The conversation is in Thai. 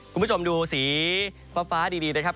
คุณผู้ชมดูสีฟ้าดีนะครับ